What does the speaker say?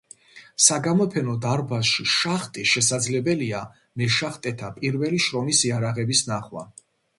საგამოფენო დარბაზში „შახტი“ შესაძლებელია მეშახტეთა პირველი შრომის იარაღების ნახვა.